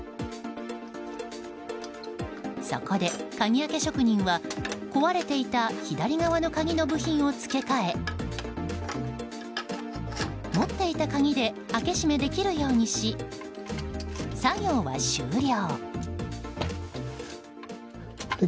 そこで、鍵開け職人は壊れていた左側の鍵の部品を付け替え持っていた鍵で開け閉めできるようにし作業は終了。